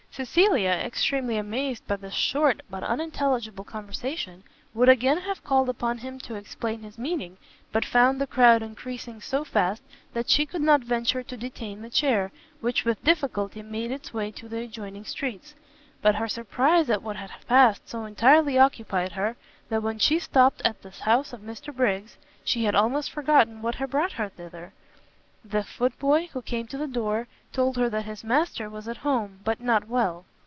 Cecilia, extremely amazed by this short, but unintelligible conversation, would again have called upon him to explain his meaning, but found the crowd encreasing so fast that she could not venture to detain the chair, which with difficulty made its way to the adjoining streets: but her surprize at what had passed so entirely occupied her, that when she stopt at the house of Mr Briggs, she had almost forgotten what had brought her thither. The foot boy, who came to the door, told her that his master was at home, but not well.